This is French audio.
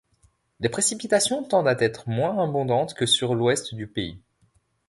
Les précipitations tendent à être moins abondantes que sur l'Ouest du pays.